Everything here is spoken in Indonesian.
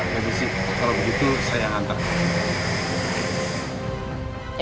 ya udah sih kalau begitu saya hantar